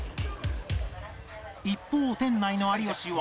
一方店内の有吉は